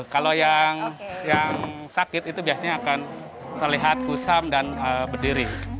kalau yang sakit itu biasanya akan terlihat kusam dan berdiri